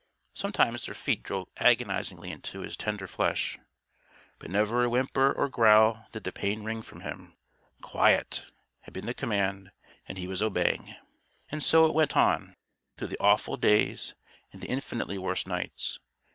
Sometimes their feet drove agonizingly into his tender flesh. But never a whimper or growl did the pain wring from him. "Quiet!" had been the command, and he was obeying. And so it went on, through the awful days and the infinitely worse nights.